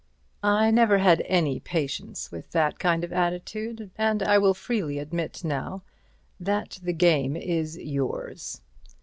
I never had any patience with that kind of attitude, and I will freely admit now that the game is yours.